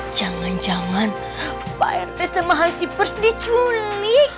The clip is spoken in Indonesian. jangan jangan pak rete sama hansi pers diculik